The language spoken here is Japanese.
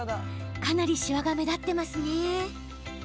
かなりシワが目立っています。